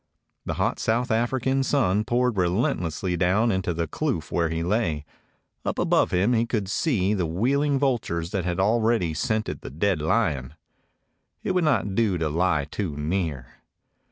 The hot South Af rican sun poured relentlessly down into the kloof where he lay. Up above him he could see the wheeling vultures that had already scented the dead lion. It would not do to lie too near.